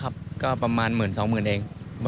ไม่ไม่เยอะครับก็ประมาณหมื่นสองหมื่นเอง